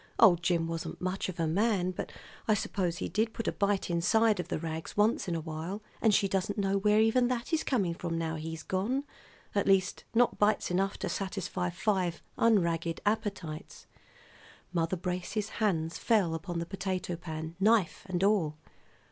Old Jim wasn't much of a man; but I suppose he did put a bite inside of the rags once in a while, and she doesn't know where even that is coming from, now he's gone. At least, not bites enough to satisfy five unragged appetites." Mother Brace's hands fell upon the potato pan, knife and all.